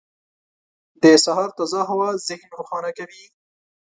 • د سهار تازه هوا ذهن روښانه کوي.